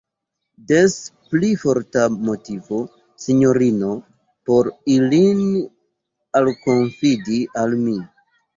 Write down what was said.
Des pli forta motivo, sinjorino, por ilin alkonfidi al mi.